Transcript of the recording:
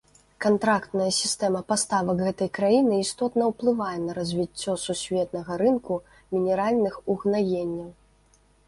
Кантрактная сістэма паставак гэтай краіны істотна ўплывае на развіццё сусветнага рынку мінеральных угнаенняў.